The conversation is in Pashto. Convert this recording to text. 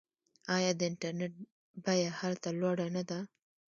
آیا د انټرنیټ بیه هلته لوړه نه ده؟